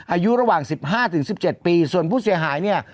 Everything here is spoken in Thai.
อายุระหว่างสิบห้าถึงสิบเจ็ดปีส่วนผู้เสียหายเนี่ย